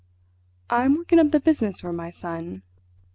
"I'm working up the business for my son!